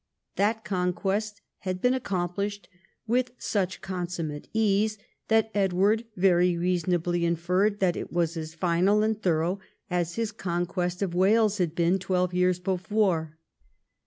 That conquest had been accomplished with such con summate ease, that Edward very reasonably inferred that it was as final and thorough as his conquest of Wales had been twelve years before.